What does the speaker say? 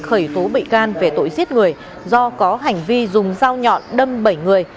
khởi tố bị can về tội giết người do có hành vi dùng dao nhọn đâm bảy người